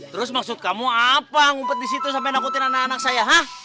terus maksud kamu apa ngumpet di situ sampai nakutin anak anak saya hah